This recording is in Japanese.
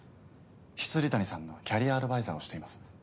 未谷さんのキャリアアドバイザーをしています。